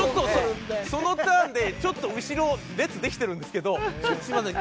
そのターンでちょっと後ろ列できてるんですけど「ちょっとすみません。